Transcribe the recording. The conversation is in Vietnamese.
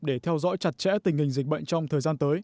để theo dõi chặt chẽ tình hình dịch bệnh trong thời gian tới